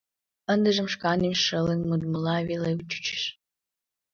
Ындыжым шканем шылын модмыла веле чучеш.